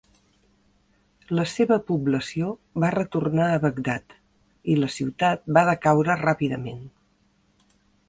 La seva població va retornar a Bagdad i la ciutat va decaure ràpidament.